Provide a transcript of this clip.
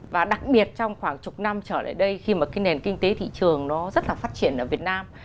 và đặc biệt trong khoảng chục năm trở lại đây khi mà cái nền kinh tế thị trường nó rất là phát triển ở việt nam